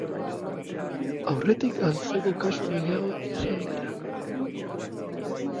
Aurretik antzeko kasu gehiago izan dira.